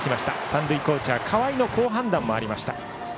三塁コーチャー、河合の好判断もありました。